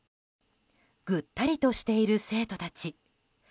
ぐったりとしている生徒たち。